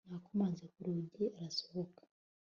nakomanze ku rugi arasohoka ..